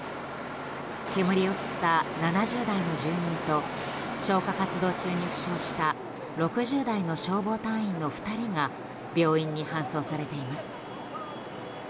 煙を吸った７０代の住人と消火活動中に負傷した６０代の消防隊員の２人が病院に搬送されています。